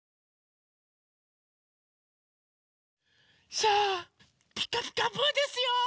さあ「ピカピカブ！」ですよ！